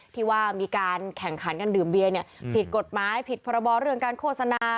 ที่ว่ามีการแข่งขันกันดื่มเบียร์ผิดกฎหมายผิดพรบเรื่องการโฆษณา